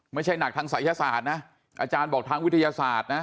ไม่ใช่หนักทางศัยศาสตร์นะอาจารย์บอกทางวิทยาศาสตร์นะ